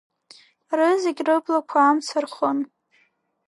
Рызегь рыблақәа амца рхын.